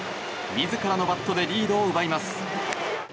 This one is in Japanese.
自らのバットでリードを奪います。